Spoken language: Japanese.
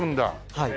はい。